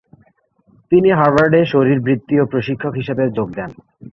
তিনি হার্ভার্ডে শরীরবৃত্তীয় প্রশিক্ষক হিসেবে যোগ দেন।